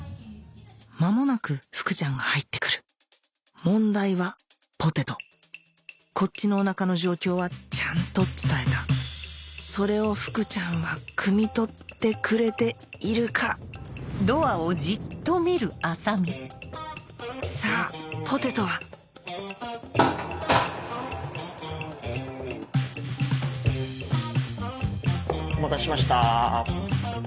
間もなく福ちゃんが入ってくる問題はポテトこっちのお腹の状況はちゃんと伝えたそれを福ちゃんがくみ取ってくれているかさぁポテトはお待たせしました。